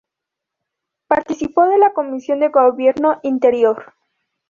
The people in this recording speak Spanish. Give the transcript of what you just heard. Participó de la Comisión de Gobierno Interior.